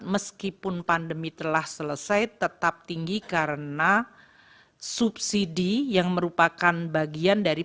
meskipun pandemi telah selesai tetap tinggi karena subsidi yang merupakan bagian dari